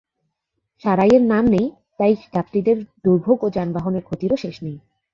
সারাইয়ের নাম নেই, তাই যাত্রীদের দুর্ভোগ ও যানবাহনের ক্ষতিরও শেষ নেই।